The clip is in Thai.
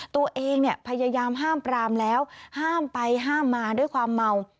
ตัวเองเนี่ยพยายามห้ามปรามแล้วห้ามไปห้ามมาด้วยความเมา